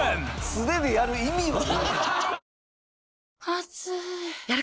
素手でやる意味は。